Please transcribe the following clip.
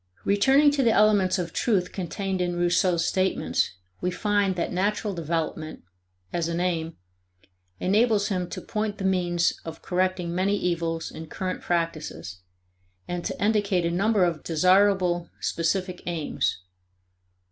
Returning to the elements of truth contained in Rousseau's statements, we find that natural development, as an aim, enables him to point the means of correcting many evils in current practices, and to indicate a number of desirable specific aims.